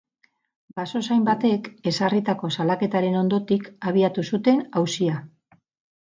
Basozain batek ezarritako salaketaren ondotik abiatu zuten auzia.